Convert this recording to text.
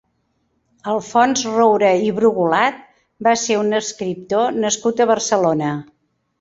Alfons Roure i Brugulat va ser un escriptor nascut a Barcelona.